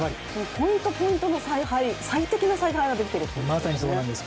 ポイント、ポイントとの最適な采配ができているということですね。